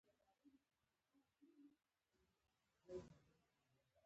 موټروان وویل: وینې يې؟ چې دا زما ده.